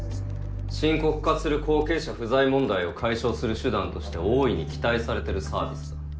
深刻化する後継者不在問題を解消する手段として大いに期待されてるサービスだ。